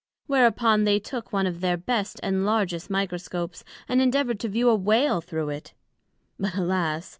Whereupon they took one of their best and largest Microscopes, and endeavoured to view a Whale thorow it; but alas!